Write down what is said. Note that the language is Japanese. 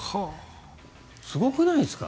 すごくないですか？